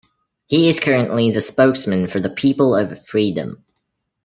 He is currently the spokesman for the People of Freedom.